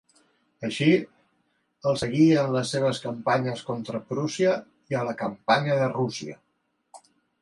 Així, el seguí en les seves campanyes contra Prússia i a la campanya de Rússia.